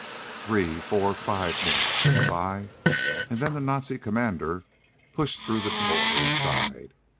Three, four, five minutes ticked by, and then the Nazi commander pushed through the door inside.